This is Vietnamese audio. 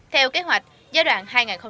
theo kế hoạch giai đoạn hai nghìn một mươi sáu